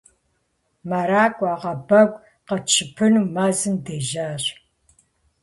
Мэракӏуэ, ӏэгъэбэгу къэтщыпыну мэзым дежьащ.